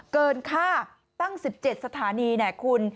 เกินค่าตั้ง๑๗สถานีเนี่ยคุณ